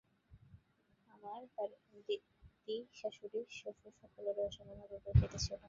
আমার দিদিশাশুড়ি শাশুড়ি সকলেরই অসামান্য রূপের খ্যাতি ছিল।